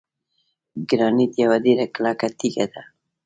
ګرانیټ یوه ډیره کلکه تیږه ده.